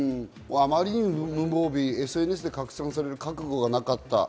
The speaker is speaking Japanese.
あまりに無防備、ＳＮＳで拡散される覚悟はなかった。